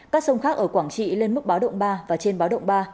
các sông khác ở quảng trị lên mức báo động ba và trên báo động ba